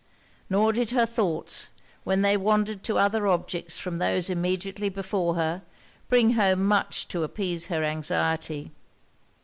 Nor did her thoughts, when they wandered to other objects from those immediately before her, bring home much to appease her anxiety.